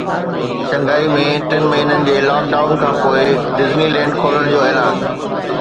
شنگهائي ۾ ٽن مهينن جي لاڪ ڊائون کانپوءِ ڊزني لينڊ کولڻ جو اعلان